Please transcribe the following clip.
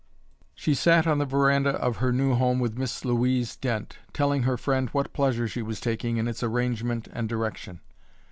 She sat on the veranda of her new home with Miss Louise Dent, telling her friend what pleasure she was taking in its arrangement and direction.